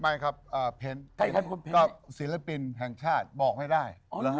ไม่ครับก็ศิลปินแห่งชาติบอกไม่ได้